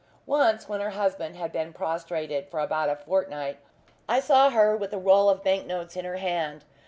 Once, when her husband had been prostrated for about a fortnight, I saw her with a roll of bank notes in her hand.